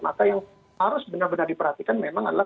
maka yang harus benar benar diperhatikan memang adalah